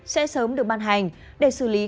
sẽ sớm được ban hành để xử lý